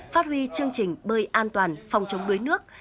phát huy chương trình bơi an toàn phòng chống đuối nước